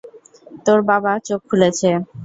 তোর বাবা চোখ খুলেছে!